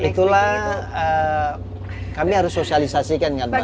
itulah kami harus sosialisasikan dengan baik